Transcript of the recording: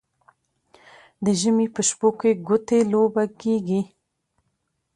د ژمي په شپو کې ګوتې لوبه کیږي.